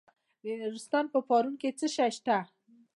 د نورستان په پارون کې څه شی شته؟